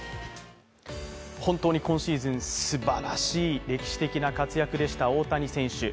本当に今シーズン、すばらしい歴史的な活躍でした、大谷選手。